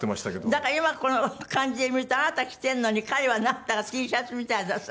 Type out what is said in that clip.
だから今この感じで見るとあなた着てるのに彼はなんだかＴシャツみたいなさ。